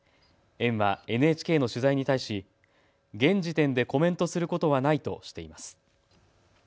園はＮＨＫの取材に対し現時点でコメントすることはないとしています。